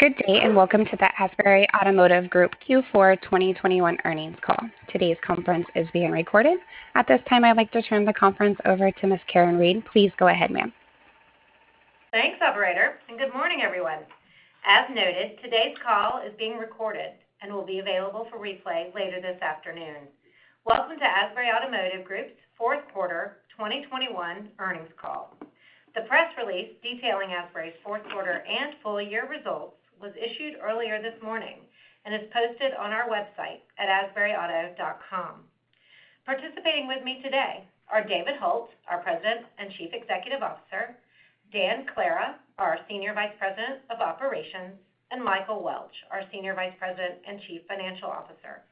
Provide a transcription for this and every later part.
Good day, and welcome to the Asbury Automotive Group Q4 2021 earnings call. Today's conference is being recorded. At this time, I'd like to turn the conference over to Ms. Karen Reid. Please go ahead, ma'am. Thanks, operator, and good morning, everyone. As noted, today's call is being recorded and will be available for replay later this afternoon. Welcome to Asbury Automotive Group's fourth quarter 2021 earnings call. The press release detailing Asbury's fourth quarter and full year results was issued earlier this morning and is posted on our website at asburyauto.com. Participating with me today are David Hult, our President and Chief Executive Officer, Dan Clara, our Senior Vice President of Operations, and Michael Welch, our Senior Vice President and Chief Financial Officer.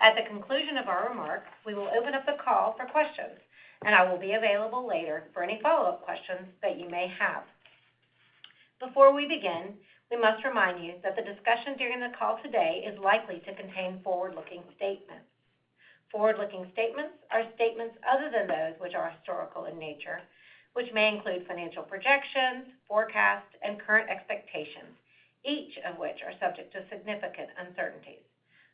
At the conclusion of our remarks, we will open up the call for questions, and I will be available later for any follow-up questions that you may have. Before we begin, we must remind you that the discussion during the call today is likely to contain forward-looking statements. Forward-looking statements are statements other than those which are historical in nature, which may include financial projections, forecasts, and current expectations, each of which are subject to significant uncertainties.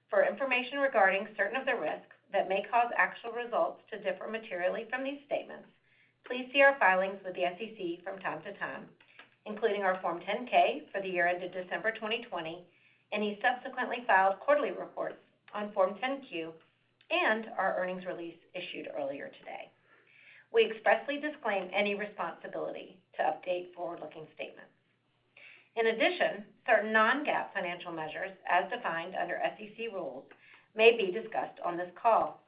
For information regarding certain of the risks that may cause actual results to differ materially from these statements, please see our filings with the SEC from time to time, including our Form 10-K for the year ended December 2020, any subsequently filed quarterly reports on Form 10-Q, and our earnings release issued earlier today. We expressly disclaim any responsibility to update forward-looking statements. In addition, certain non-GAAP financial measures as defined under SEC rules may be discussed on this call.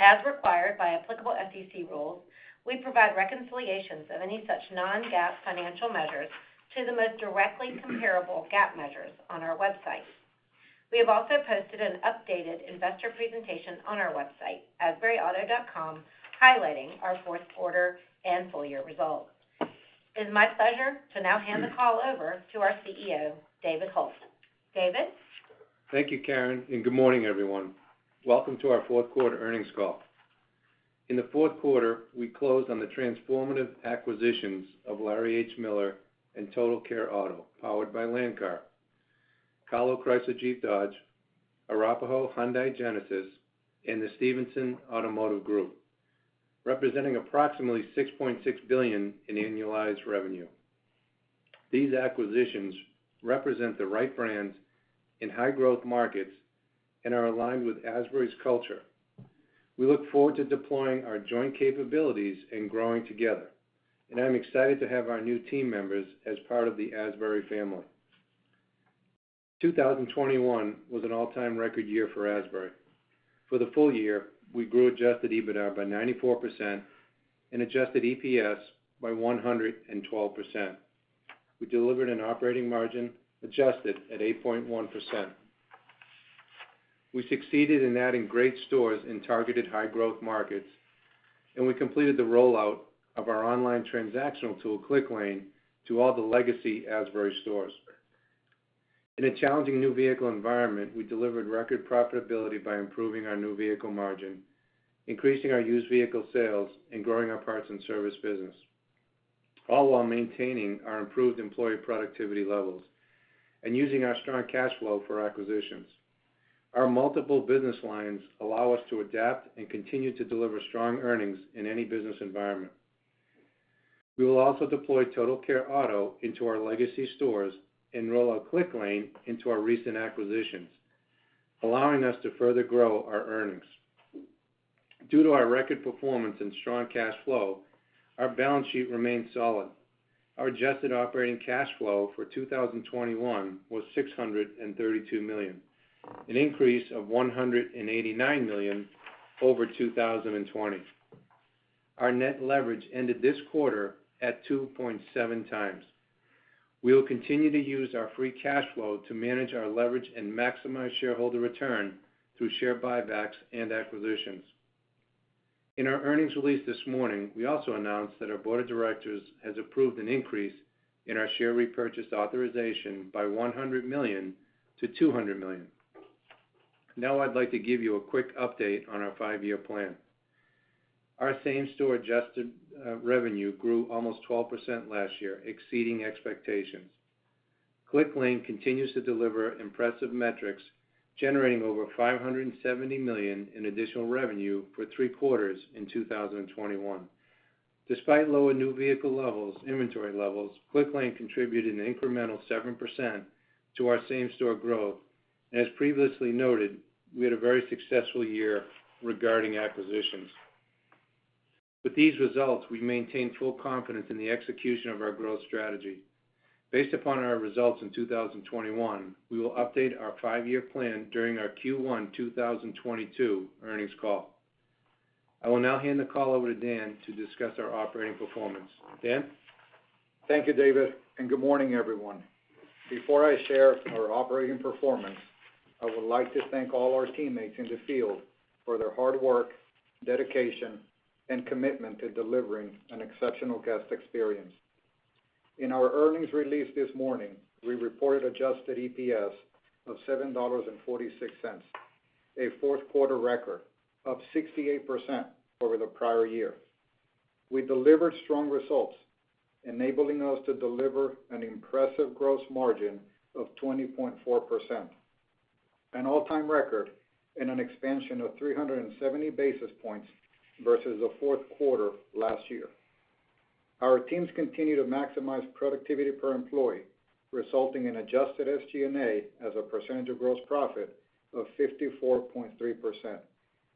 As required by applicable SEC rules, we provide reconciliations of any such non-GAAP financial measures to the most directly comparable GAAP measures on our website. We have also posted an updated investor presentation on our website, asburyauto.com, highlighting our fourth quarter and full year results. It is my pleasure to now hand the call over to our CEO, David Hult. David? Thank you, Karen, and good morning, everyone. Welcome to our fourth quarter earnings call. In the fourth quarter, we closed on the transformative acquisitions of Larry H. Miller and Total Care Auto, Powered by Landcar, Kahlo Chrysler Dodge Jeep Ram, Arapahoe Hyundai, and the Stevinson Automotive Group, representing approximately $6.6 billion in annualized revenue. These acquisitions represent the right brands in high-growth markets and are aligned with Asbury's culture. We look forward to deploying our joint capabilities and growing together, and I'm excited to have our new team members as part of the Asbury family. 2021 was an all-time record year for Asbury. For the full year, we grew adjusted EBITDA by 94% and adjusted EPS by 112%. We delivered an operating margin adjusted at 8.1%. We succeeded in adding great stores in targeted high-growth markets, and we completed the rollout of our online transactional tool, Clicklane, to all the legacy Asbury stores. In a challenging new vehicle environment, we delivered record profitability by improving our new vehicle margin, increasing our used vehicle sales, and growing our parts and service business, all while maintaining our improved employee productivity levels and using our strong cash flow for acquisitions. Our multiple business lines allow us to adapt and continue to deliver strong earnings in any business environment. We will also deploy Total Care Auto into our legacy stores and roll out Clicklane into our recent acquisitions, allowing us to further grow our earnings. Due to our record performance and strong cash flow, our balance sheet remains solid. Our adjusted operating cash flow for 2021 was $632 million, an increase of $189 million over 2020. Our net leverage ended this quarter at 2.7 times. We will continue to use our free cash flow to manage our leverage and maximize shareholder return through share buybacks and acquisitions. In our earnings release this morning, we also announced that our board of directors has approved an increase in our share repurchase authorization by $100 million to $200 million. Now I'd like to give you a quick update on our five-year plan. Our same-store adjusted revenue grew almost 12% last year, exceeding expectations. Clicklane continues to deliver impressive metrics, generating over $570 million in additional revenue for three quarters in 2021. Despite lower new vehicle inventory levels, Clicklane contributed an incremental 7% to our same-store growth. As previously noted, we had a very successful year regarding acquisitions. With these results, we maintain full confidence in the execution of our growth strategy. Based upon our results in 2021, we will update our five-year plan during our Q1 2022 earnings call. I will now hand the call over to Dan to discuss our operating performance. Dan? Thank you, David, and good morning, everyone. Before I share our operating performance, I would like to thank all our teammates in the field for their hard work, dedication, and commitment to delivering an exceptional guest experience. In our earnings release this morning, we reported adjusted EPS of $7.46, a fourth-quarter record, up 68% over the prior year. We delivered strong results, enabling us to deliver an impressive gross margin of 20.4%, an all-time record and an expansion of 370 basis points versus the fourth quarter last year. Our teams continue to maximize productivity per employee, resulting in adjusted SG&A as a percentage of gross profit of 54.3%,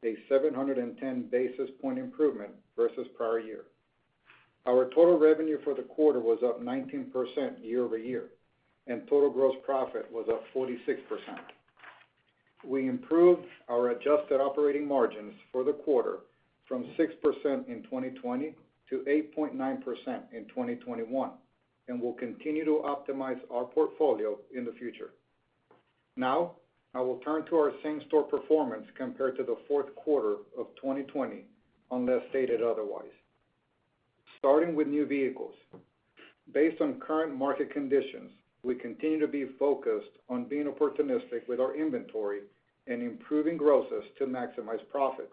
a 710 basis point improvement versus prior year. Our total revenue for the quarter was up 19% year-over-year, and total gross profit was up 46%. We improved our adjusted operating margins for the quarter from 6% in 2020 to 8.9% in 2021, and we'll continue to optimize our portfolio in the future. Now, I will turn to our same-store performance compared to the fourth quarter of 2020, unless stated otherwise. Starting with new vehicles. Based on current market conditions, we continue to be focused on being opportunistic with our inventory and improving grosses to maximize profits.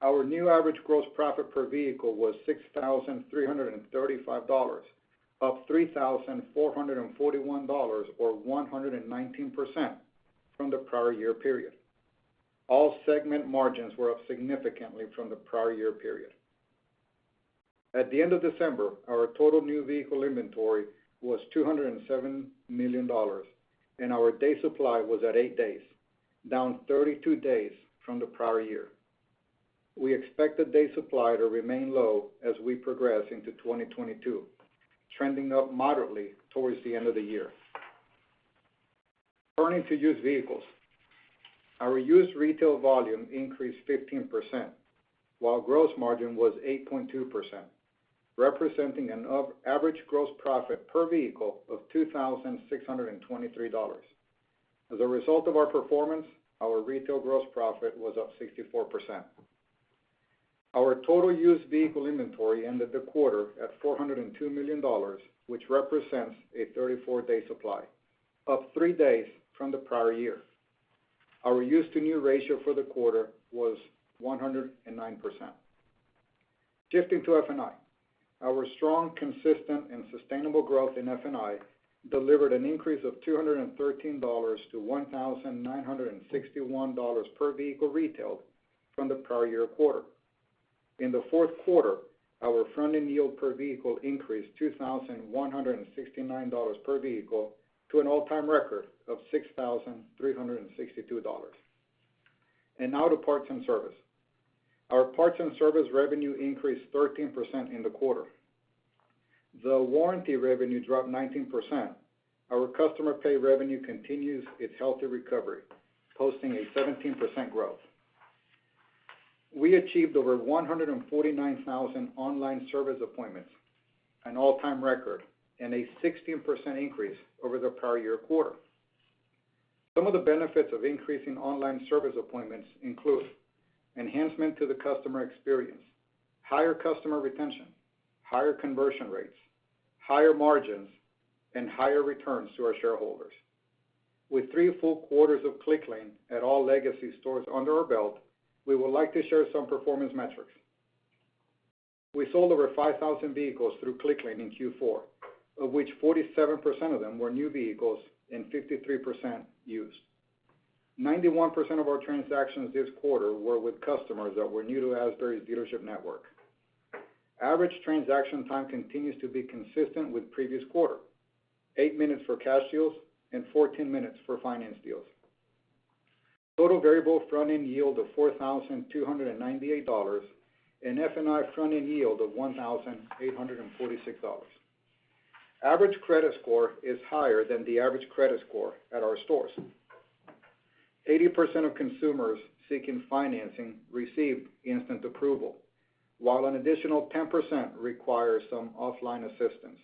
Our new average gross profit per vehicle was $6,335, up $3,441 or 119% from the prior year period. All segment margins were up significantly from the prior year period. At the end of December, our total new vehicle inventory was $207 million, and our day supply was at eight days, down 32 days from the prior year. We expect the day supply to remain low as we progress into 2022, trending up moderately towards the end of the year. Turning to used vehicles. Our used retail volume increased 15%, while gross margin was 8.2%, representing an average gross profit per vehicle of $2,623. As a result of our performance, our retail gross profit was up 64%. Our total used vehicle inventory ended the quarter at $402 million, which represents a 34-day supply, up three days from the prior year. Our used to new ratio for the quarter was 109%. Shifting to F&I. Our strong, consistent and sustainable growth in F&I delivered an increase of $213 to $1,961 per vehicle retailed from the prior year quarter. In the fourth quarter, our front-end yield per vehicle increased $2,169 per vehicle to an all-time record of $6,362. Now to parts and service. Our parts and service revenue increased 13% in the quarter. The warranty revenue dropped 19%. Our customer pay revenue continues its healthy recovery, posting a 17% growth. We achieved over 149,000 online service appointments, an all-time record and a 16% increase over the prior year quarter. Some of the benefits of increasing online service appointments include enhancement to the customer experience, higher customer retention, higher conversion rates, higher margins, and higher returns to our shareholders. With three full quarters of Clicklane at all legacy stores under our belt, we would like to share some performance metrics. We sold over 5,000 vehicles through Clicklane in Q4, of which 47% of them were new vehicles and 53% used. 91% of our transactions this quarter were with customers that were new to Asbury's dealership network. Average transaction time continues to be consistent with previous quarter, eight minutes for cash deals and 14 minutes for financed deals. Total variable front-end yield of $4,298 and F&I front-end yield of $1,846. Average credit score is higher than the average credit score at our stores. 80% of consumers seeking financing received instant approval, while an additional 10% require some offline assistance.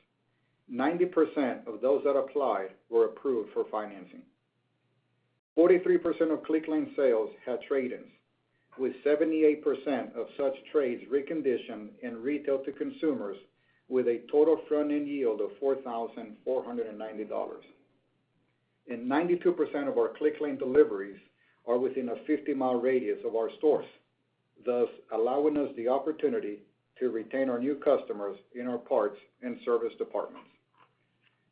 90% of those that applied were approved for financing. 43% of Clicklane sales had trade-ins, with 78% of such trades reconditioned and retailed to consumers with a total front-end yield of $4,490. 92% of our Clicklane deliveries are within a 50-mile radius of our stores, thus allowing us the opportunity to retain our new customers in our parts and service departments.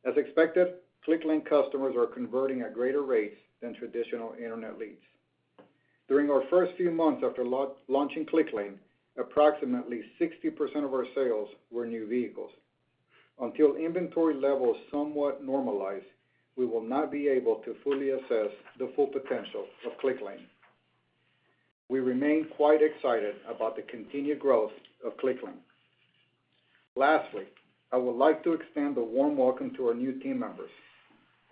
As expected, Clicklane customers are converting at greater rates than traditional Internet leads. During our first few months after launching Clicklane, approximately 60% of our sales were new vehicles. Until inventory levels somewhat normalize, we will not be able to fully assess the full potential of Clicklane. We remain quite excited about the continued growth of Clicklane. Lastly, I would like to extend a warm welcome to our new team members.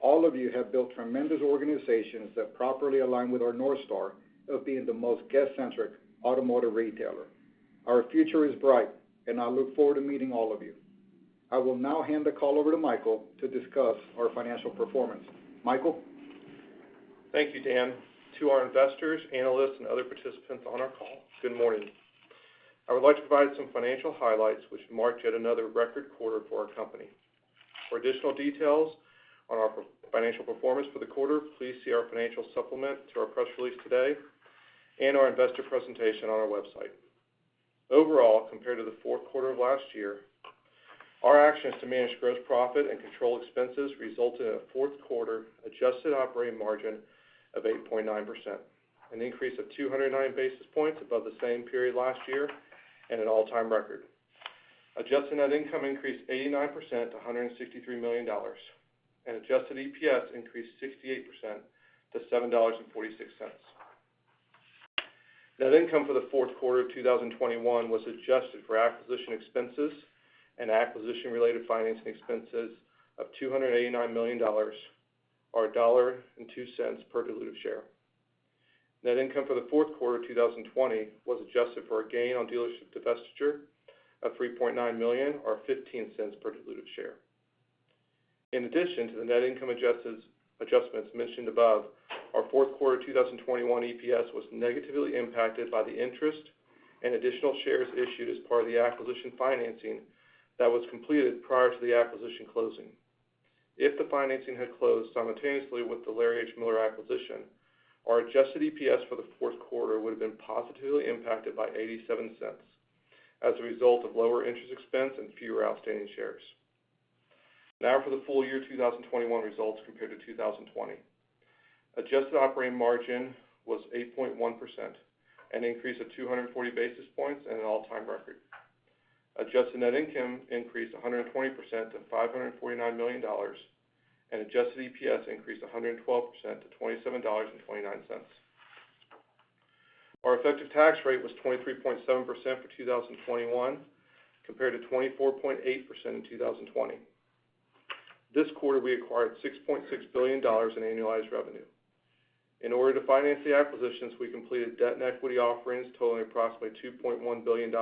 All of you have built tremendous organizations that properly align with our North Star of being the most guest-centric automotive retailer. Our future is bright, and I look forward to meeting all of you. I will now hand the call over to Michael to discuss our financial performance. Michael? Thank you, Dan. To our investors, analysts, and other participants on our call, good morning. I would like to provide some financial highlights which mark yet another record quarter for our company. For additional details on our financial performance for the quarter, please see our financial supplement to our press release today and our investor presentation on our website. Overall, compared to the fourth quarter of last year, our actions to manage gross profit and control expenses resulted in a fourth quarter adjusted operating margin of 8.9%, an increase of 209 basis points above the same period last year and an all-time record. Adjusted net income increased 89% to $163 million, and adjusted EPS increased 68% to $7.46. Net income for the fourth quarter of 2021 was adjusted for acquisition expenses and acquisition-related financing expenses of $289 million or $1.02 per diluted share. Net income for the fourth quarter of 2020 was adjusted for a gain on dealership divestiture of $3.9 million or $0.15 per diluted share. In addition to the net income adjustments mentioned above, our fourth quarter 2021 EPS was negatively impacted by the interest and additional shares issued as part of the acquisition financing that was completed prior to the acquisition closing. If the financing had closed simultaneously with the Larry H. Miller acquisition, our adjusted EPS for the fourth quarter would have been positively impacted by $0.87 as a result of lower interest expense and fewer outstanding shares. Now for the full year 2021 results compared to 2020. Adjusted operating margin was 8.1%, an increase of 240 basis points and an all-time record. Adjusted net income increased 120% to $549 million, and adjusted EPS increased 112% to $27.29. Our effective tax rate was 23.7% for 2021 compared to 24.8% in 2020. This quarter, we acquired $6.6 billion in annualized revenue. In order to finance the acquisitions, we completed debt and equity offerings totaling approximately $2.1 billion,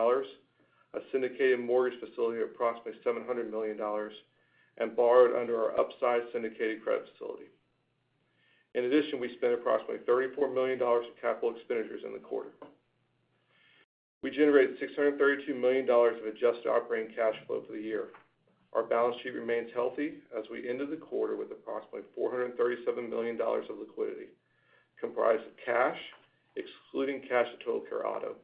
a syndicated mortgage facility of approximately $700 million, and borrowed under our existing syndicated credit facility. In addition, we spent approximately $34 million in capital expenditures in the quarter. We generated $632 million of adjusted operating cash flow for the year. Our balance sheet remains healthy as we ended the quarter with approximately $437 million of liquidity, comprised of cash, excluding cash at Total Care Auto,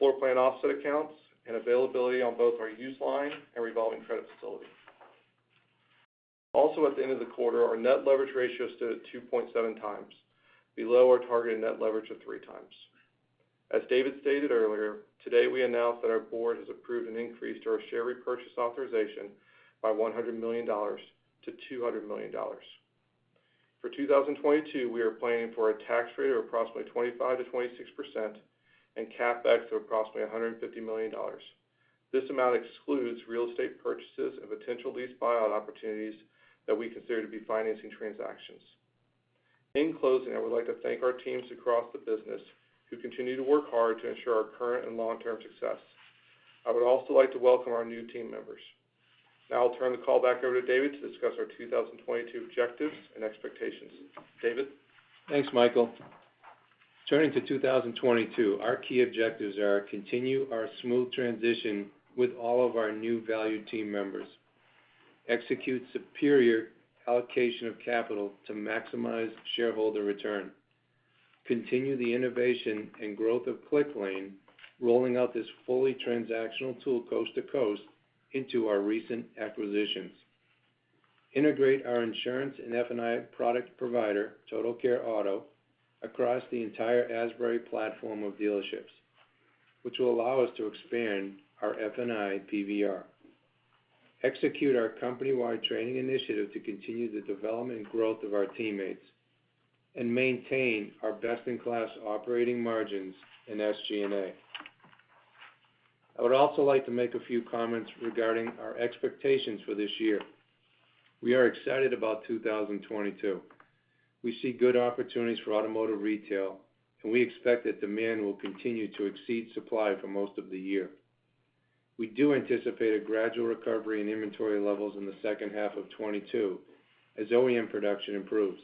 floorplan offset accounts, and availability on both our ABL line and revolving credit facility. Also at the end of the quarter, our net leverage ratio stood at 2.7 times below our targeted net leverage of three times. As David stated earlier, today, we announced that our board has approved an increase to our share repurchase authorization by $100 million to $200 million. For 2022, we are planning for a tax rate of approximately 25%-26% and CapEx of approximately $150 million. This amount excludes real estate purchases and potential lease buyout opportunities that we consider to be financing transactions. In closing, I would like to thank our teams across the business who continue to work hard to ensure our current and long-term success. I would also like to welcome our new team members. Now I'll turn the call back over to David to discuss our 2022 objectives and expectations. David? Thanks, Michael. Turning to 2022, our key objectives are to continue our smooth transition with all of our new valued team members. Execute superior allocation of capital to maximize shareholder return. Continue the innovation and growth of Clicklane, rolling out this fully transactional tool coast to coast into our recent acquisitions. Integrate our insurance and F&I product provider, Total Care Auto, across the entire Asbury platform of dealerships, which will allow us to expand our F&I PVR. Execute our company-wide training initiative to continue the development and growth of our teammates and maintain our best-in-class operating margins in SG&A. I would also like to make a few comments regarding our expectations for this year. We are excited about 2022. We see good opportunities for automotive retail, and we expect that demand will continue to exceed supply for most of the year. We do anticipate a gradual recovery in inventory levels in the second half of 2022 as OEM production improves.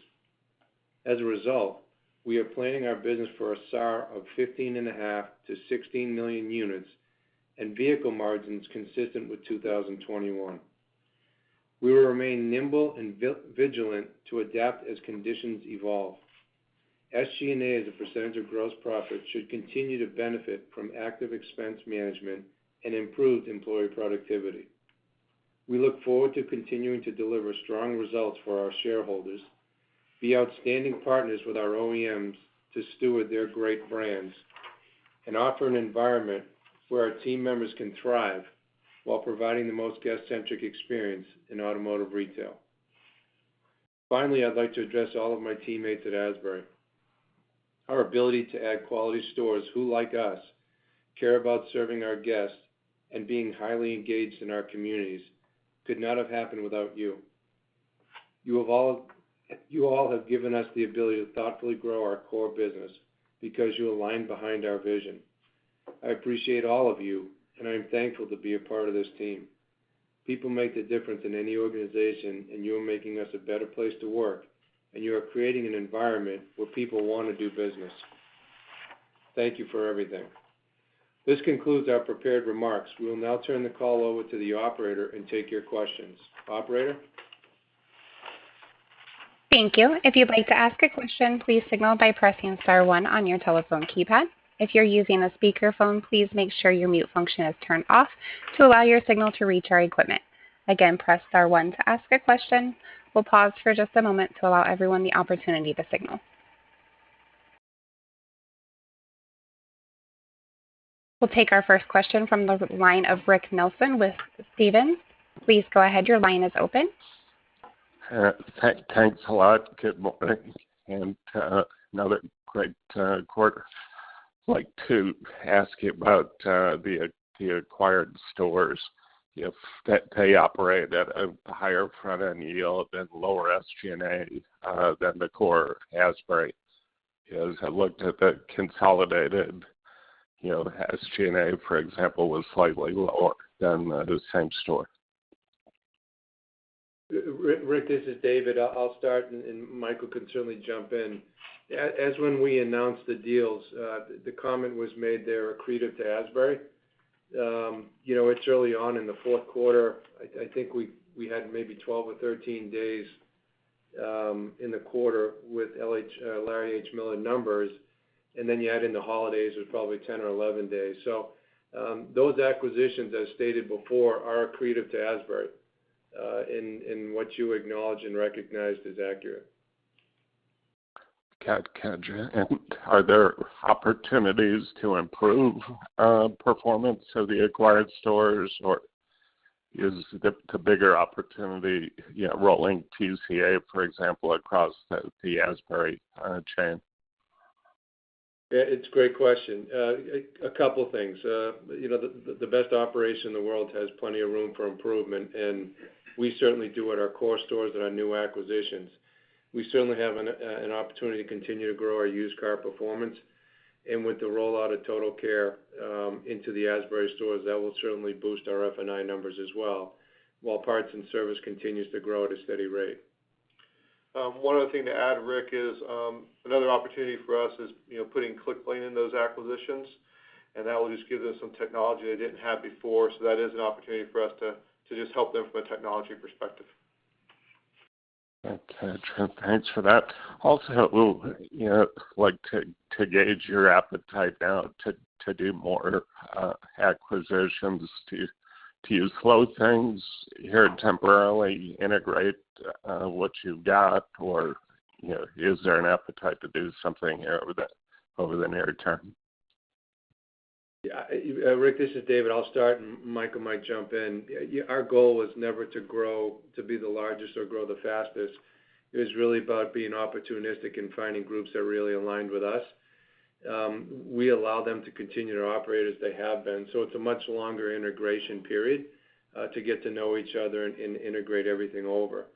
As a result, we are planning our business for a SAR of 15.5-16 million units and vehicle margins consistent with 2021. We will remain nimble and vigilant to adapt as conditions evolve. SG&A, as a percentage of gross profit, should continue to benefit from active expense management and improved employee productivity. We look forward to continuing to deliver strong results for our shareholders, be outstanding partners with our OEMs to steward their great brands, and offer an environment where our team members can thrive while providing the most guest-centric experience in automotive retail. Finally, I'd like to address all of my teammates at Asbury. Our ability to add quality stores who, like us, care about serving our guests and being highly engaged in our communities could not have happened without you. You all have given us the ability to thoughtfully grow our core business because you align behind our vision. I appreciate all of you, and I am thankful to be a part of this team. People make the difference in any organization, and you're making us a better place to work, and you are creating an environment where people want to do business. Thank you for everything. This concludes our prepared remarks. We will now turn the call over to the operator and take your questions. Operator? Thank you. If you'd like to ask a question, please signal by pressing star one on your telephone keypad. If you're using a speakerphone, please make sure your mute function is turned off to allow your signal to reach our equipment. Again, press star one to ask a question. We'll pause for just a moment to allow everyone the opportunity to signal. We'll take our first question from the line of Rick Nelson with Stephens. Please go ahead, your line is open. Thanks a lot. Good morning. Another great quarter. I'd like to ask you about the acquired stores. If they operate at a higher front-end yield and lower SG&A than the core Asbury is. I looked at the consolidated SG&A, you know. For example, the SG&A was slightly lower than the same store. Rick, this is David. I'll start, and Michael can certainly jump in. As when we announced the deals, the comment was made they're accretive to Asbury. You know, it's early on in the fourth quarter. I think we had maybe 12 or 13 days in the quarter with LH, Larry H. Miller numbers, and then you add in the holidays, it's probably 10 or 11 days. Those acquisitions, as stated before, are accretive to Asbury. What you acknowledged and recognized is accurate. Got you. Are there opportunities to improve performance of the acquired stores? Is the bigger opportunity, you know, rolling TCA, for example, across the Asbury chain? It's a great question. A couple things. You know, the best operation in the world has plenty of room for improvement, and we certainly do at our core stores and our new acquisitions. We certainly have an opportunity to continue to grow our used car performance. With the rollout of Total Care into the Asbury stores, that will certainly boost our F&I numbers as well, while parts and service continues to grow at a steady rate. One other thing to add, Rick, is another opportunity for us is, you know, putting Clicklane in those acquisitions, and that will just give them some technology they didn't have before. That is an opportunity for us to just help them from a technology perspective. Okay. Thanks for that. Also, you know, like to gauge your appetite now to do more acquisitions. Do you slow things here temporarily, integrate what you've got, or, you know, is there an appetite to do something here over the near term? Yeah. Rick, this is David. I'll start, and Michael might jump in. Our goal was never to grow to be the largest or grow the fastest. It was really about being opportunistic and finding groups that really aligned with us. We allow them to continue to operate as they have been. It's a much longer integration period to get to know each other and integrate everything over.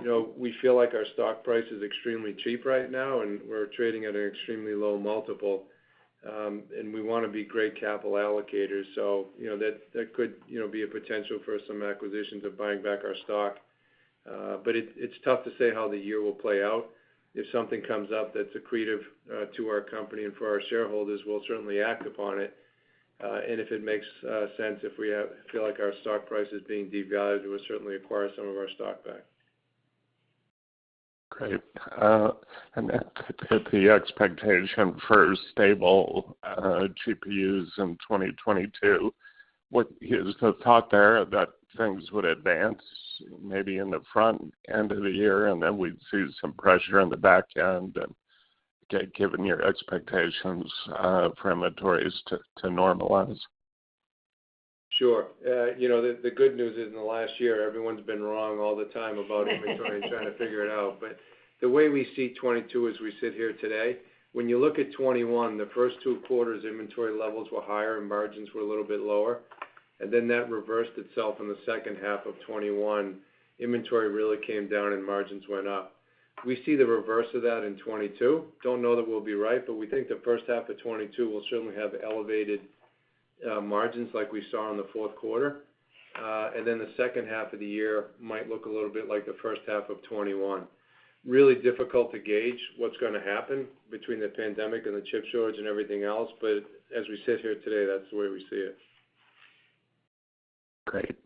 You know, we feel like our stock price is extremely cheap right now, and we're trading at an extremely low multiple, and we wanna be great capital allocators. You know, that could, you know, be a potential for some acquisitions or buying back our stock. But it's tough to say how the year will play out. If something comes up that's accretive to our company and for our shareholders, we'll certainly act upon it. If it makes sense, if we feel like our stock price is being devalued, we'll certainly acquire some of our stock back. Great. Then the expectation for stable GPUs in 2022, what is the thought there that things would advance maybe in the front end of the year, and then we'd see some pressure on the back end and given your expectations for inventories to normalize? Sure. You know, the good news is, in the last year, everyone's been wrong all the time about inventory and trying to figure it out. The way we see 2022 as we sit here today, when you look at 2021, the first two quarters, inventory levels were higher and margins were a little bit lower. Then that reversed itself in the second half of 2021. Inventory really came down and margins went up. We see the reverse of that in 2022. Don't know that we'll be right, but we think the first half of 2022 will certainly have elevated margins like we saw in the fourth quarter. Then the second half of the year might look a little bit like the first half of 2021. Really difficult to gauge what's gonna happen between the pandemic and the chip shortage and everything else. as we sit here today, that's the way we see it. Great.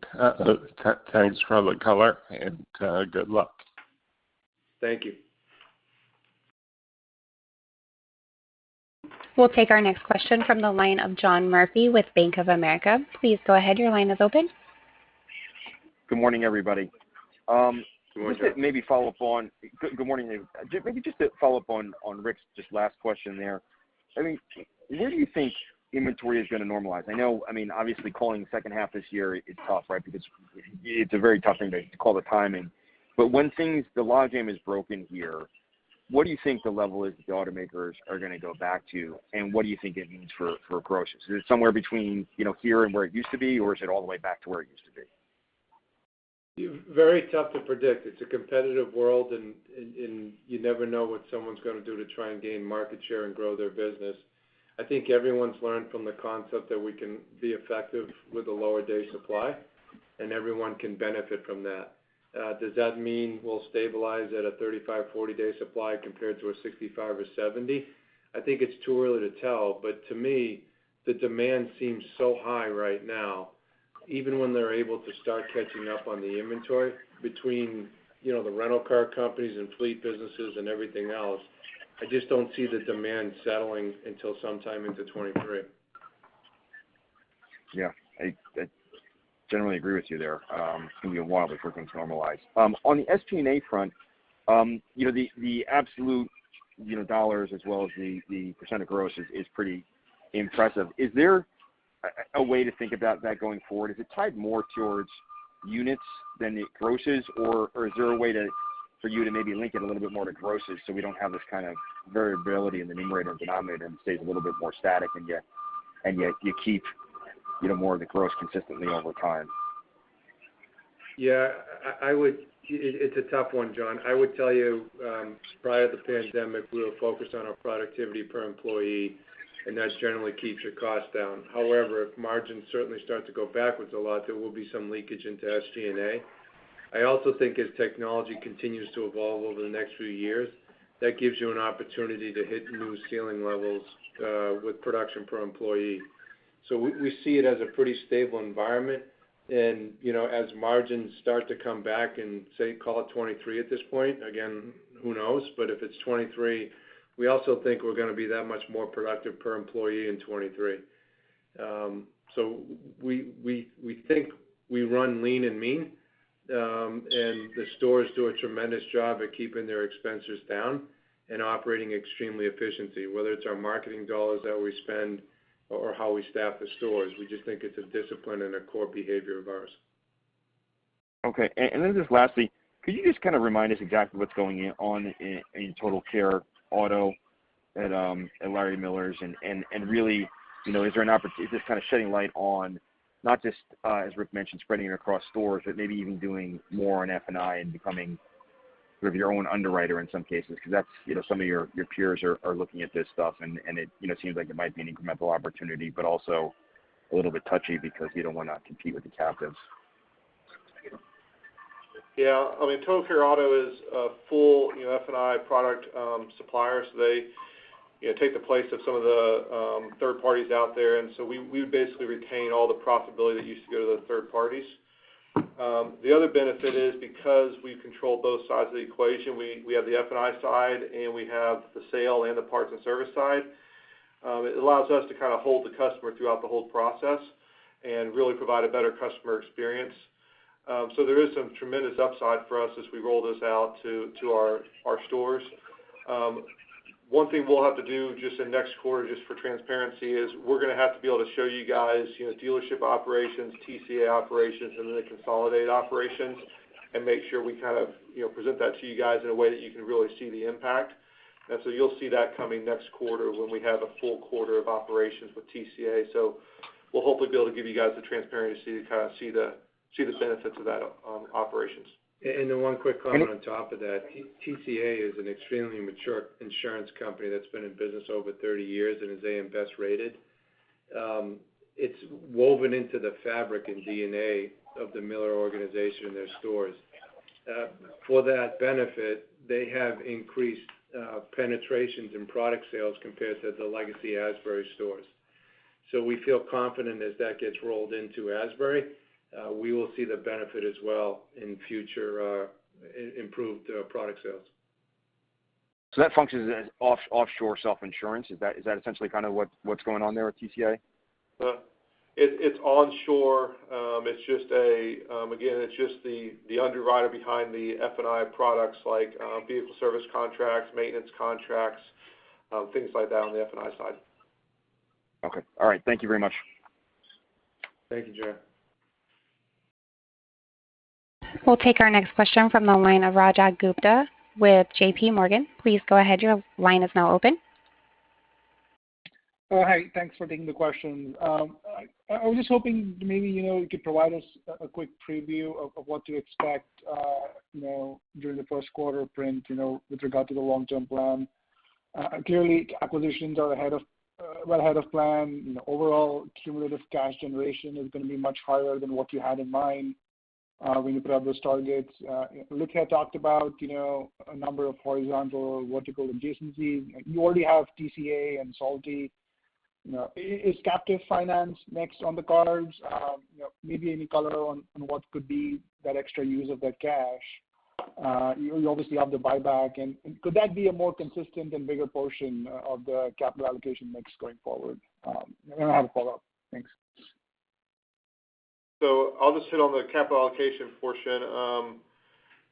Thanks for all the color and good luck. Thank you. We'll take our next question from the line of John Murphy with Bank of America. Please go ahead, your line is open. Good morning, everybody. Good morning. Good morning. Maybe just to follow up on Rick's just last question there. I mean, where do you think inventory is gonna normalize? I know, I mean, obviously calling the second half this year is tough, right? Because it's a very tough thing to call the timing. When things, the logjam is broken here, what do you think the level is the automakers are gonna go back to, and what do you think it means for gross? Is it somewhere between, you know, here and where it used to be, or is it all the way back to where it used to be? Very tough to predict. It's a competitive world and you never know what someone's gonna do to try and gain market share and grow their business. I think everyone's learned from the concept that we can be effective with a lower day supply. Everyone can benefit from that. Does that mean we'll stabilize at a 35, 40-day supply compared to a 65 or 70? I think it's too early to tell. To me, the demand seems so high right now, even when they're able to start catching up on the inventory between, you know, the rental car companies and fleet businesses and everything else, I just don't see the demand settling until sometime into 2023. Yeah. I generally agree with you there. It's gonna be a while before things normalize. On the SG&A front, you know, the absolute you know, dollars as well as the percent of gross is pretty impressive. Is there a way to think about that going forward? Is it tied more towards units than the grosses, or is there a way for you to maybe link it a little bit more to grosses so we don't have this kind of variability in the numerator and denominator and stays a little bit more static and yet you keep, you know, more of the gross consistently over time? It's a tough one, John. I would tell you, prior to the pandemic, we were focused on our productivity per employee, and that generally keeps your cost down. However, if margins certainly start to go backwards a lot, there will be some leakage into SG&A. I also think as technology continues to evolve over the next few years, that gives you an opportunity to hit new ceiling levels with production per employee. We see it as a pretty stable environment. You know, as margins start to come back in, say, call it 2023 at this point, again, who knows? If it's 2023, we also think we're gonna be that much more productive per employee in 2023. We think we run lean and mean, and the stores do a tremendous job at keeping their expenses down and operating extremely efficiently, whether it's our marketing dollars that we spend or how we staff the stores. We just think it's a discipline and a core behavior of ours. Okay. Just lastly, could you just kind of remind us exactly what's going on in Total Care Auto at Larry H. Miller's? Really, you know, is this kinda shedding light on not just, as Rick mentioned, spreading it across stores, but maybe even doing more on F&I and becoming sort of your own underwriter in some cases? 'Cause that's, you know, some of your peers are looking at this stuff and it seems like it might be an incremental opportunity, but also a little bit touchy because you don't wanna compete with the captives. Yeah. I mean, Total Care Auto is a full, you know, F&I product supplier, so they take the place of some of the third parties out there. We basically retain all the profitability that used to go to the third parties. The other benefit is because we control both sides of the equation, we have the F&I side and we have the sale and the parts and service side, it allows us to kind of hold the customer throughout the whole process and really provide a better customer experience. There is some tremendous upside for us as we roll this out to our stores. One thing we'll have to do just in next quarter, just for transparency, is we're gonna have to be able to show you guys, you know, dealership operations, TCA operations, and then the consolidated operations and make sure we kind of, you know, present that to you guys in a way that you can really see the impact. You'll see that coming next quarter when we have a full quarter of operations with TCA. We'll hopefully be able to give you guys the transparency to kind of see the benefits of that, operations. One quick comment on top of that. TCA is an extremely mature insurance company that's been in business over 30 years and is A.M. Best rated. It's woven into the fabric and DNA of the Miller organization and their stores. For that benefit, they have increased penetrations in product sales compared to the legacy Asbury stores. We feel confident as that gets rolled into Asbury, we will see the benefit as well in future improved product sales. That functions as offshore self-insurance. Is that essentially kind of what's going on there with TCA? It's onshore. It's just the underwriter behind the F&I products like vehicle service contracts, maintenance contracts, things like that on the F&I side. Okay. All right. Thank you very much. Thank you, John. We'll take our next question from the line of Rajat Gupta with JP Morgan. Please go ahead, your line is now open. Oh, hi. Thanks for taking the question. I was just hoping maybe, you know, you could provide us a quick preview of what to expect, you know, during the first quarter print, you know, with regard to the long-term plan. Clearly acquisitions are well ahead of plan. You know, overall cumulative cash generation is gonna be much higher than what you had in mind, when you put out those targets. David Hult talked about, you know, a number of horizontal vertical adjacencies. You already have TCA and Salty. You know, is captive finance next on the cards? You know, maybe any color on what could be that extra use of that cash. You obviously have the buyback. Could that be a more consistent and bigger portion of the capital allocation mix going forward? I have a follow-up. Thanks. I'll just hit on the capital allocation portion.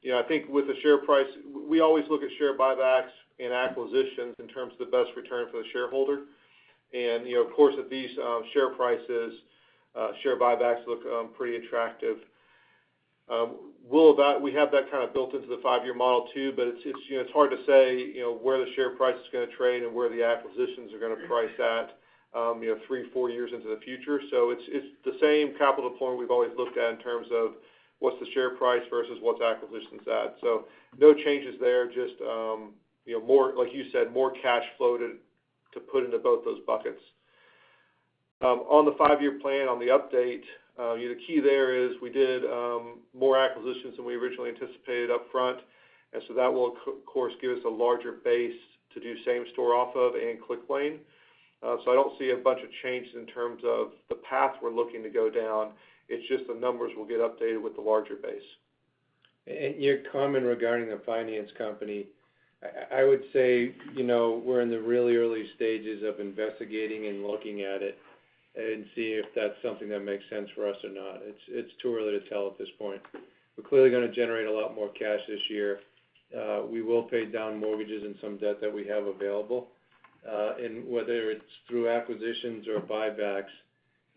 You know, I think with the share price, we always look at share buybacks and acquisitions in terms of the best return for the shareholder. You know, of course, at these share prices, share buybacks look pretty attractive. We have that kind of built into the five year model too, but it's, you know, it's hard to say, you know, where the share price is gonna trade and where the acquisitions are gonna price at, you know, three, four years into the future. It's the same capital deployment we've always looked at in terms of what's the share price versus what's acquisitions at. No changes there, just, you know, more, like you said, more cash flow to put into both those buckets. On the five-year plan, on the update, you know, the key there is we did more acquisitions than we originally anticipated upfront. That will of course give us a larger base to do same store off of in Clicklane. I don't see a bunch of changes in terms of the path we're looking to go down. It's just the numbers will get updated with the larger base. Your comment regarding the finance company, I would say, you know, we're in the really early stages of investigating and looking at it and see if that's something that makes sense for us or not. It's too early to tell at this point. We're clearly gonna generate a lot more cash this year. We will pay down mortgages and some debt that we have available, and whether it's through acquisitions or buybacks,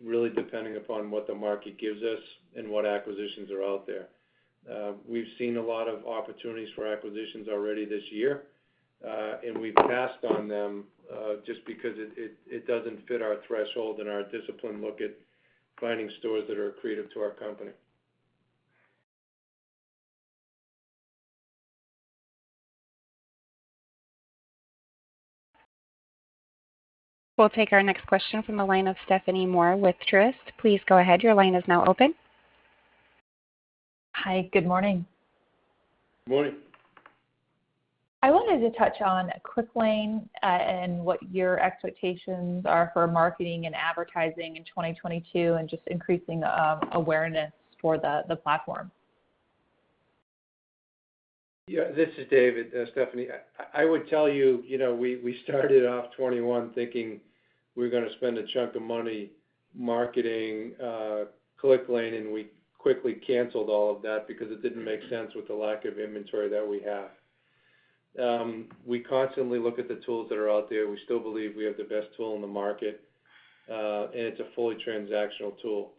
really depending upon what the market gives us and what acquisitions are out there. We've seen a lot of opportunities for acquisitions already this year, and we've passed on them, just because it doesn't fit our threshold and our disciplined look at finding stores that are accretive to our company. We'll take our next question from the line of Stephanie Moore with Truist. Please go ahead, your line is now open. Hi, good morning. Morning. I wanted to touch on Clicklane and what your expectations are for marketing and advertising in 2022, and just increasing awareness for the platform. Yeah, this is David. Stephanie, I would tell you know, we started off 2021 thinking we're gonna spend a chunk of money marketing Clicklane, and we quickly canceled all of that because it didn't make sense with the lack of inventory that we have. We constantly look at the tools that are out there. We still believe we have the best tool in the market, and it's a fully transactional tool.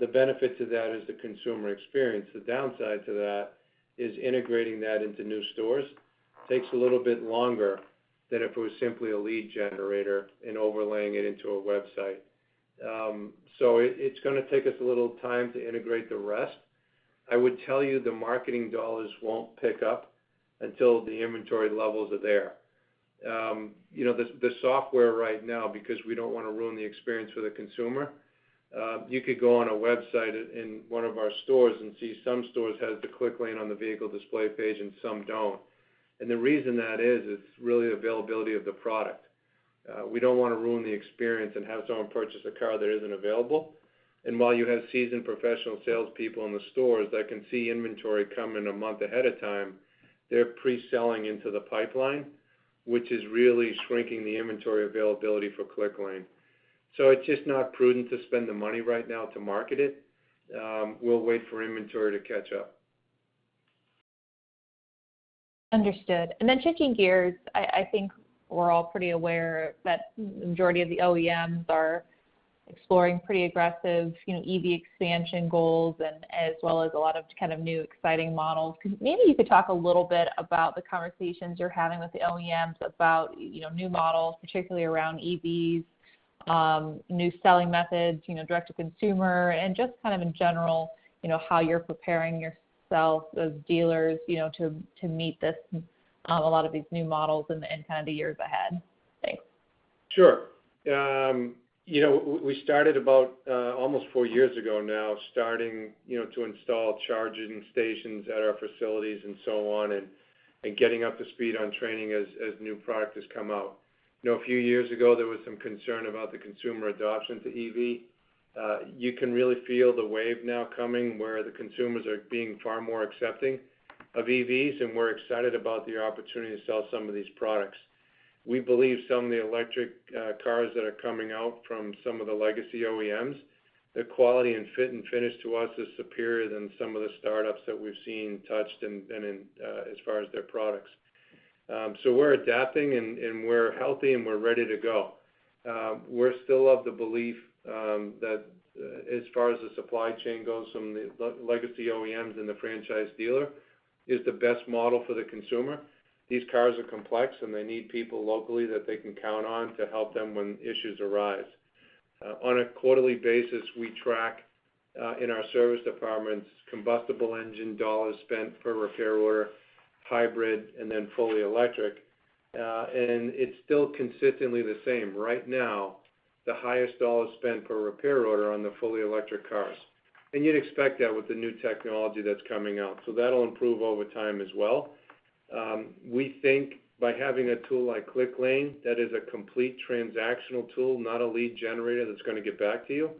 The benefit to that is the consumer experience. The downside to that is integrating that into new stores takes a little bit longer than if it was simply a lead generator and overlaying it into a website. It's gonna take us a little time to integrate the rest. I would tell you the marketing dollars won't pick up until the inventory levels are there. You know, the software right now, because we don't wanna ruin the experience for the consumer, you could go on a website in one of our stores and see some stores has the Clicklane on the vehicle display page and some don't. The reason that is, it's really availability of the product. We don't wanna ruin the experience and have someone purchase a car that isn't available. While you have seasoned professional salespeople in the stores that can see inventory come in a month ahead of time, they're pre-selling into the pipeline, which is really shrinking the inventory availability for Clicklane. It's just not prudent to spend the money right now to market it. We'll wait for inventory to catch up. Understood. Then changing gears, I think we're all pretty aware that majority of the OEMs are exploring pretty aggressive, you know, EV expansion goals and as well as a lot of kind of new exciting models. Maybe you could talk a little bit about the conversations you're having with the OEMs about, you know, new models, particularly around EVs, new selling methods, you know, direct to consumer, and just kind of in general, you know, how you're preparing yourself as dealers, you know, to meet this, a lot of these new models and kind of the years ahead. Thanks. Sure. You know, we started about almost four years ago now, you know, to install charging stations at our facilities and so on, and getting up to speed on training as new product has come out. You know, a few years ago, there was some concern about the consumer adoption to EV. You can really feel the wave now coming where the consumers are being far more accepting of EVs, and we're excited about the opportunity to sell some of these products. We believe some of the electric cars that are coming out from some of the legacy OEMs, their quality and fit and finish to us is superior than some of the startups that we've seen to date and insofar as their products. So we're adapting and we're healthy, and we're ready to go. We're still of the belief that as far as the supply chain goes from the legacy OEMs and the franchise dealer is the best model for the consumer. These cars are complex, and they need people locally that they can count on to help them when issues arise. On a quarterly basis, we track in our service departments, combustion engine dollars spent per repair order, hybrid, and then fully electric. It's still consistently the same. Right now, the highest dollar spent per repair order on the fully electric cars. You'd expect that with the new technology that's coming out. That'll improve over time as well. We think by having a tool like Clicklane, that is a complete transactional tool, not a lead generator that's gonna get back to you,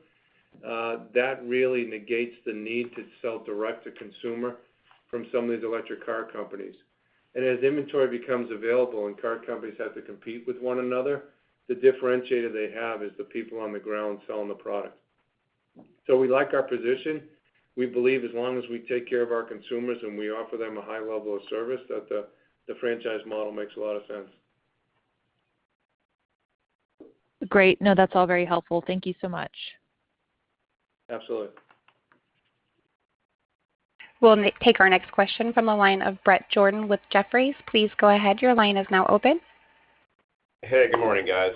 that really negates the need to sell direct to consumer from some of these electric car companies. As inventory becomes available and car companies have to compete with one another, the differentiator they have is the people on the ground selling the product. We like our position. We believe as long as we take care of our consumers and we offer them a high level of service, that the franchise model makes a lot of sense. Great. No, that's all very helpful. Thank you so much. Absolutely. We'll now take our next question from the line of Bret Jordan with Jefferies. Please go ahead, your line is now open. Hey, good morning, guys.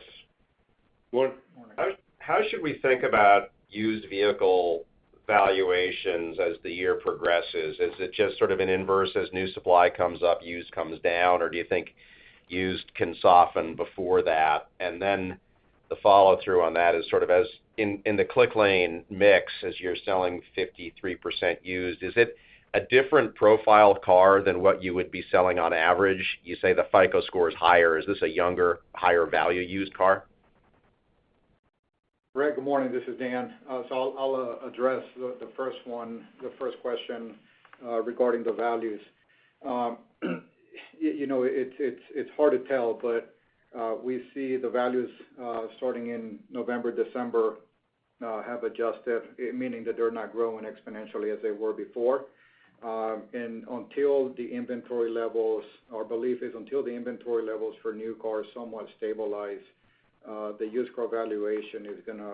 Good morning. How should we think about used vehicle valuations as the year progresses? Is it just sort of an inverse as new supply comes up, used comes down? Or do you think used can soften before that? The follow-through on that is sort of as in the Clicklane mix, as you're selling 53% used, is it a different profile of car than what you would be selling on average? You say the FICO score is higher. Is this a younger, higher value used car? Bret, good morning. This is Dan. I'll address the first question regarding the values. You know, it's hard to tell, but we see the values starting in November, December have adjusted, meaning that they're not growing exponentially as they were before. Until the inventory levels for new cars somewhat stabilize, the used car valuation is gonna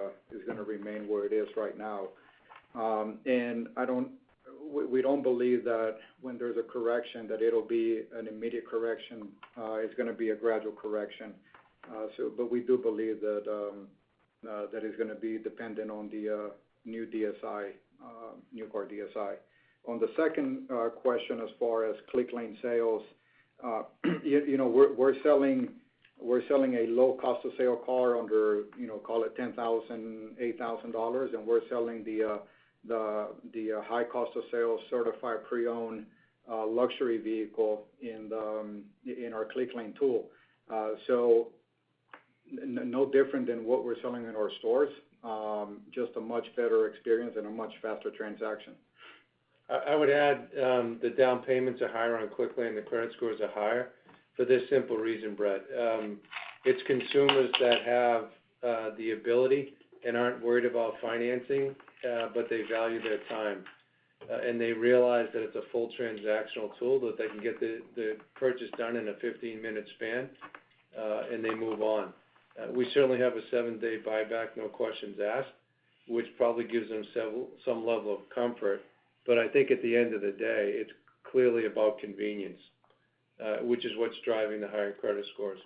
remain where it is right now. We don't believe that when there's a correction that it'll be an immediate correction. It's gonna be a gradual correction. We do believe that that is gonna be dependent on the new DSI, new car DSI. On the second question, as far as Clicklane sales, you know, we're selling a low cost of sale car under, you know, call it $10,000, $8,000, and we're selling the high cost of sales certified pre-owned luxury vehicle in our Clicklane tool. So no different than what we're selling in our stores, just a much better experience and a much faster transaction. I would add, the down payments are higher on Clicklane, the credit scores are higher for this simple reason, Bret. It's consumers that have the ability and aren't worried about financing, but they value their time. They realize that it's a full transactional tool that they can get the purchase done in a 15-minute span, and they move on. We certainly have a seven day buyback, no questions asked, which probably gives them some level of comfort. I think at the end of the day, it's clearly about convenience, which is what's driving the higher credit scores.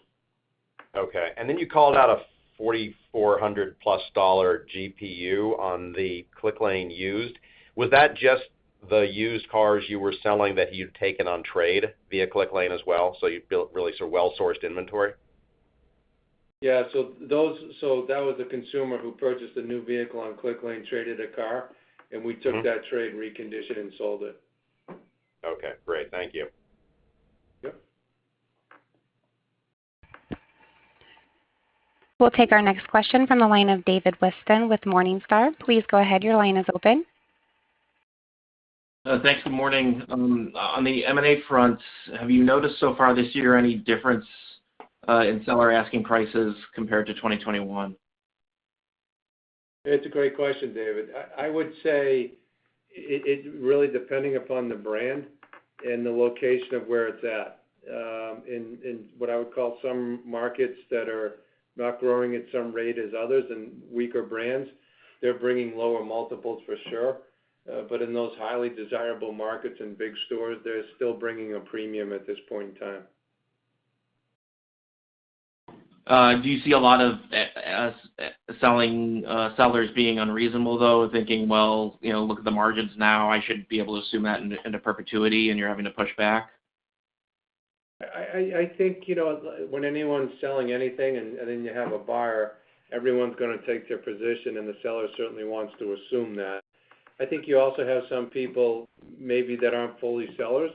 Okay. You called out a $4,400+ GPU on the Clicklane used. Was that just the used cars you were selling that you'd taken on trade via Clicklane as well, so you built really sort of well-sourced inventory? That was a consumer who purchased a new vehicle on Clicklane, traded a car, and we took that trade, reconditioned and sold it. Okay, great. Thank you. Yep. We'll take our next question from the line of David Whiston with Morningstar. Please go ahead, your line is open. Thanks, good morning. On the M&A front, have you noticed so far this year any difference in seller asking prices compared to 2021? It's a great question, David. I would say it really depending upon the brand and the location of where it's at. In what I would call some markets that are not growing at some rate as others and weaker brands, they're bringing lower multiples for sure. In those highly desirable markets and big stores, they're still bringing a premium at this point in time. Do you see a lot of selling sellers being unreasonable, though, thinking, well, you know, look at the margins now, I should be able to assume that into perpetuity and you're having to push back? I think, you know, when anyone's selling anything and then you have a buyer, everyone's gonna take their position, and the seller certainly wants to assume that. I think you also have some people maybe that aren't fully sellers.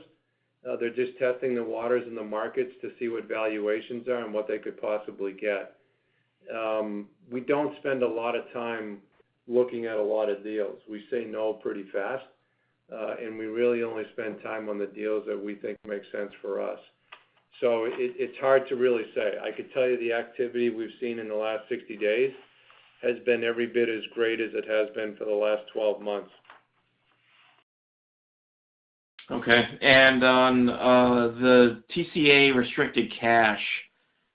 They're just testing the waters in the markets to see what valuations are and what they could possibly get. We don't spend a lot of time looking at a lot of deals. We say no pretty fast, and we really only spend time on the deals that we think make sense for us. It's hard to really say. I could tell you the activity we've seen in the last 60 days has been every bit as great as it has been for the last 12 months. Okay. On the TCA restricted cash,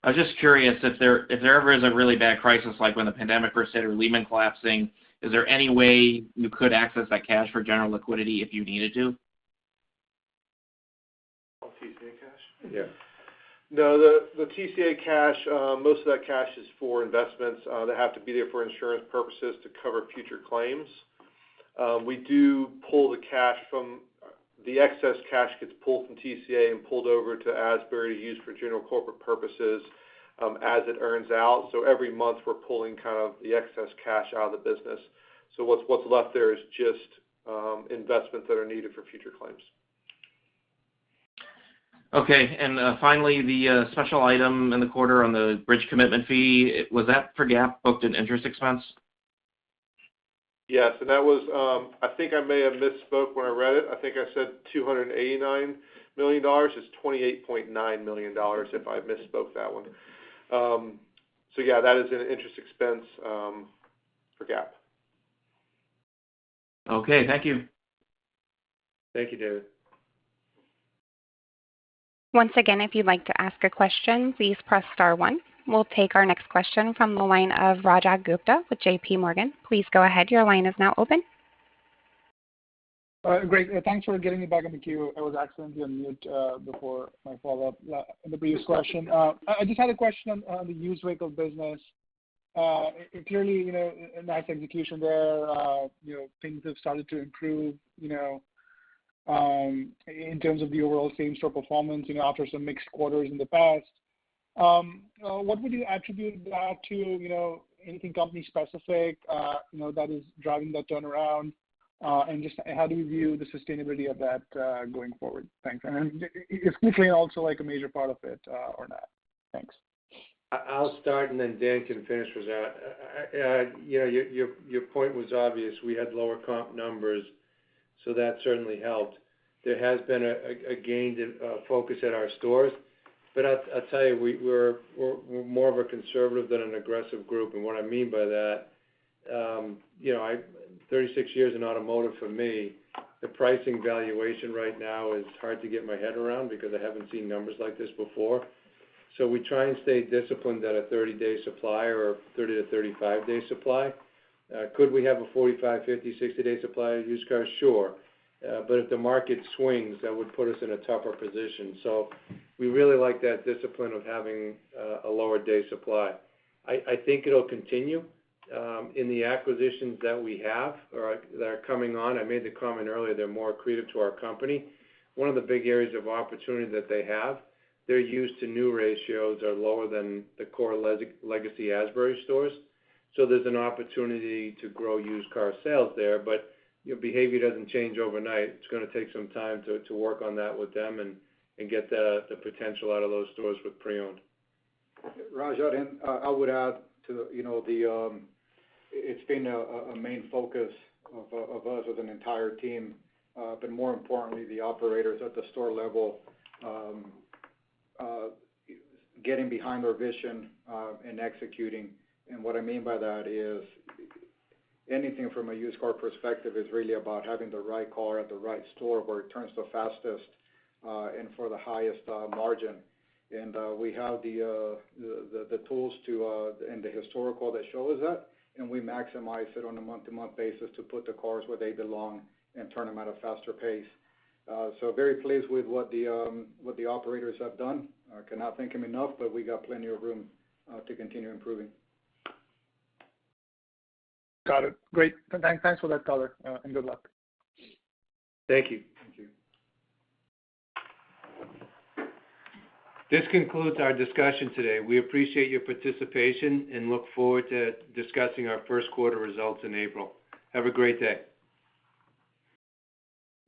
I was just curious if there ever is a really bad crisis like when the pandemic first hit or Lehman collapsing, is there any way you could access that cash for general liquidity if you needed to? On TCA cash? Yeah. No, the TCA cash, most of that cash is for investments that have to be there for insurance purposes to cover future claims. We do pull the cash from TCA. The excess cash gets pulled from TCA and pulled over to Asbury used for general corporate purposes, as it earns out. Every month, we're pulling kind of the excess cash out of the business. What's left there is just investments that are needed for future claims. Finally, the special item in the quarter on the bridge commitment fee, was that for GAAP booked in interest expense? Yes. That was, I think I may have misspoke when I read it. I think I said $289 million. It's $28.9 million if I misspoke that one. Yeah, that is an interest expense for GAAP. Okay, thank you. Thank you, David. Once again, if you'd like to ask a question, please press star one. We'll take our next question from the line of Rajat Gupta with JPMorgan. Please go ahead, your line is now open. All right. Great. Thanks for getting me back in the queue. I was accidentally on mute before my follow-up, the previous question. I just had a question on the used vehicle business. Clearly, you know, a nice execution there. You know, things have started to improve, you know, in terms of the overall same-store performance, you know, after some mixed quarters in the past. What would you attribute that to, you know, anything company specific, you know, that is driving that turnaround? And just how do you view the sustainability of that going forward? Thanks. Is Clicklane also like a major part of it, or not? Thanks. I'll start and then Dan can finish this out. You know, your point was obvious. We had lower comp numbers, so that certainly helped. There has been a gain focus at our stores. I'll tell you, we're more of a conservative than an aggressive group. What I mean by that, you know, 36 years in automotive for me, the pricing valuation right now is hard to get my head around because I haven't seen numbers like this before. We try and stay disciplined at a 30-day supply or 30-35-day supply. Could we have a 45-, 50-, 60-day supply of used cars? Sure. If the market swings, that would put us in a tougher position. We really like that discipline of having a lower day supply. I think it'll continue in the acquisitions that we have or are coming on. I made the comment earlier, they're more accretive to our company. One of the big areas of opportunity that they have, their used to new ratios are lower than the core legacy Asbury stores. So there's an opportunity to grow used car sales there, but your behavior doesn't change overnight. It's gonna take some time to work on that with them and get the potential out of those stores with pre-owned. Raj, I would add to, you know, the. It's been a main focus of us as an entire team, but more importantly, the operators at the store level, getting behind our vision, and executing. What I mean by that is anything from a used car perspective is really about having the right car at the right store where it turns the fastest, and for the highest margin. We have the tools to, and the historical that shows that, and we maximize it on a month-to-month basis to put the cars where they belong and turn them at a faster pace. So very pleased with what the operators have done. I cannot thank them enough, but we got plenty of room to continue improving. Got it. Great. Thanks for that color, and good luck. Thank you. Thank you. This concludes our discussion today. We appreciate your participation and look forward to discussing our first quarter results in April. Have a great day.